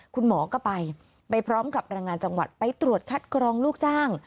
คุณหมอก็ไปไปพร้อมกับแรงงานจังหวัดไปตรวจคัดกรองลูกจ้าง